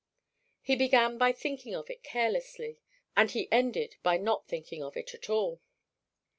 He began by thinking of it carelessly, and he ended by not thinking of it at all.